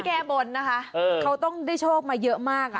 แก้บนนะคะเขาต้องได้โชคมาเยอะมาก